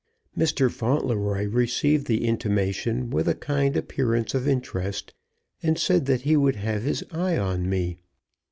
Mr. Fauntleroy received the intimation with a kind appearance of interest, and said that he would have his eye on me.